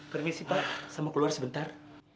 permisi pak sama keluar sebentar